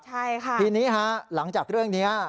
ใช่ค่ะทีนี้ฮะหลังจากเรื่องนี้